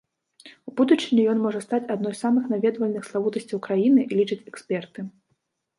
У будучыні ён можа стаць адной з самых наведвальных славутасцяў краіны, лічаць эксперты.